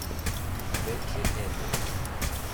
Reggie Elliott